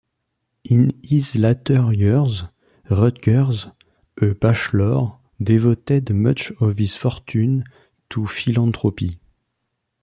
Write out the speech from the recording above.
In his later years, Rutgers, a bachelor, devoted much of his fortune to philanthropy.